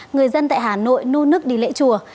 người dân tại hà nội nô nức đi lễ chùa